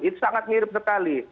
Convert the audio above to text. itu sangat mirip sekali